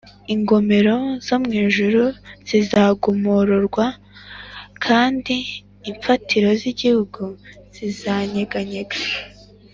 ingomero zo mu ijuru zizagomororwa kandi imfatiro z igihugu zizanyeganyega